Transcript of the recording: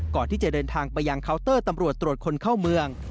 ก่อนที่จะเดินทางไปยังเคาน์เตอร์ตำรวจตรวจคนเข้าเมือง